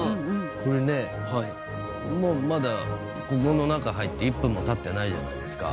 これねもうまだここの中入って１分も経ってないじゃないですか。